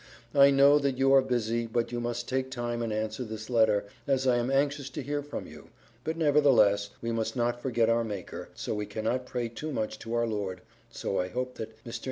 I know that you are busy but you must take time and answer this letter as I am anxious to hear from you, but nevertheless we must not forget our maker, so we cannot pray too much to our lord so I hope that mr.